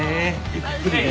ゆっくりね。